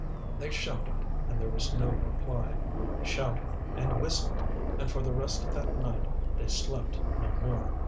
They shouted, and there was no reply; shouted and whistled, and for the rest of that night they slept no more.